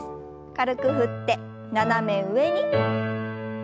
軽く振って斜め上に。